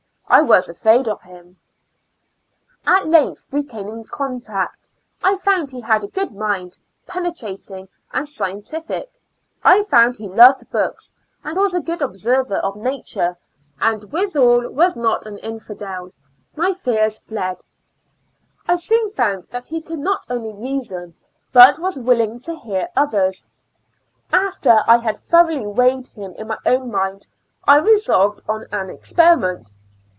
I was afraid of bim. At lengtb we came in contact. I found be bad a good mind, penetrating and scieu 154 ^^^ Years and Four Months tiiic; I found lie loved books, and was a good observer of nature, and withal was not an infidel ; my fears fled. I soon found that he could not only reason, but was willing to hear others. After I had thoroughly weighed him in my own mind, I resolved on an experiment.